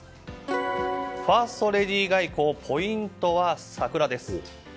ファーストレディー外交ポイントは桜です。